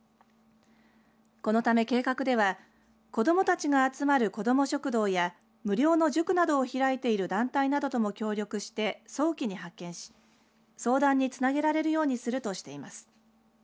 このため計画では子どもたちが集まる子ども食堂や無料の塾などを開いている団体などとも協力して早期に発見し相談につなげられるようにするとしています。